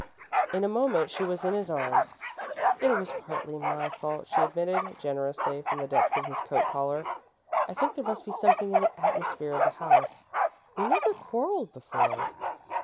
In a moment, she was in his arms. "It was partly my fault," she admitted, generously, from the depths of his coat collar. "I think there must be something in the atmosphere of the house. We never quarrelled before."